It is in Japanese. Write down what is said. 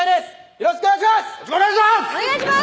よろしくお願いします！